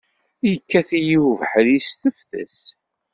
Yekkat-iyi ubeḥri s tefses.